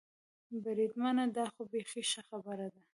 بریدمنه، دا خو بېخي ښه خبره ده.